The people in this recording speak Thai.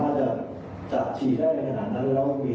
ที่จะตั้งแต่ตั้งอยู่ข้างซ้ายเนี่ย